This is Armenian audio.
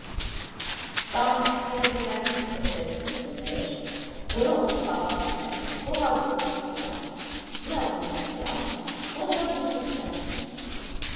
Կան ֆերմերային տնտեսություններ, որոնք զբաղվում են հողագործությամբ, ձիաբուծությամբ, խոզաբուծությամբ։